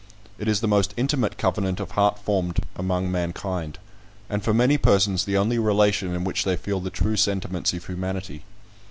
It is the most intimate covenant of heart formed among mankind; and for many persons the only relation in which they feel the true sentiments of humanity.